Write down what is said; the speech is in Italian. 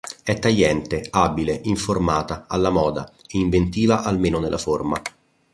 È tagliente, abile, informata, alla moda, e inventiva almeno nella forma".